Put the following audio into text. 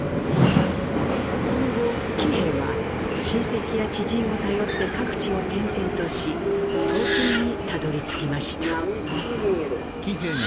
その後喜兵衛は親戚や知人を頼って各地を転々とし東京にたどりつきました。